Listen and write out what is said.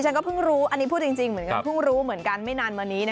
ฉันก็พึ่งรู้อันนี้คุณแล้วพูดจริงเหมือนกันไม่นานมานี้